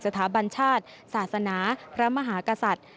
สถาบันชาติศาสนาพระมหากษัตริย์